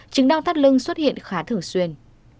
chứng đau tắt lưng xuất hiện khá thường xuyên